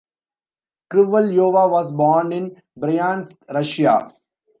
Krivelyova was born in Bryansk, Russia.